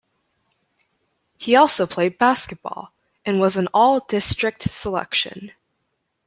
He also played basketball and was an All-district selection.